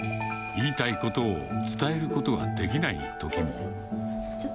言いたいことを伝えることができないときも。